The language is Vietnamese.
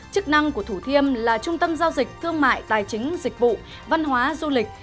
chức năng của thủ thiêm là trung tâm giao dịch thương mại tài chính dịch vụ văn hóa du lịch